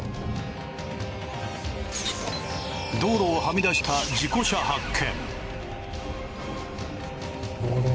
道路をはみ出した事故車発見。